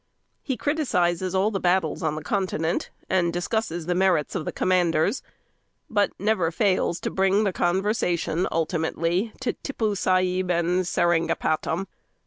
He criticises all the battles on the Continent, and discusses the merits of the commanders, but never fails to bring the conversation ultimately to Tippoo Saib and Seringapatam.